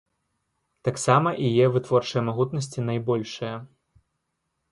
Таксама і яе вытворчыя магутнасці найбольшыя.